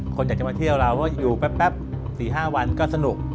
คนอยากจะมาเที่ยวเราก็อยู่แป๊บ๔๕วันก็สนุก